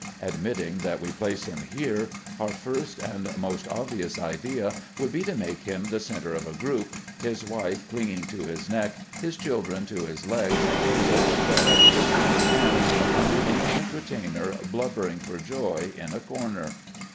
Admitting that we place him here, our first and most obvious idea would be to make him the centre of a group, his wife clinging to his neck, his children to his legs, his old dog licking his hand, and the ancient retainer blubbering for joy in a corner.